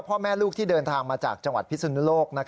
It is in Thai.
พ่อแม่ลูกที่เดินทางมาจากจังหวัดพิสุนุโลก